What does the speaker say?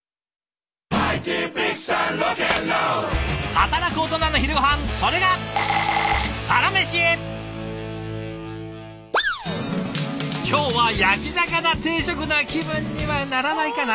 働くオトナの昼ごはんそれが今日は焼き魚定食な気分にはならないかな。